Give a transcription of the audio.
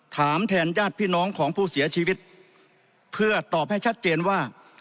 ถามแทนญาติพี่น้องของผู้เสียชีวิตเพื่อตอบให้ชัดเจนว่า